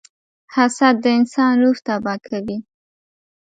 • حسد د انسان روح تباه کوي.